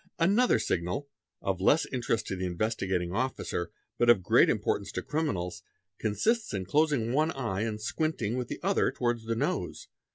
P Another signal, of less interest to the Investigating Officer but of great importance to criminals, consists in closing one eye and squinting with the other towards the nose.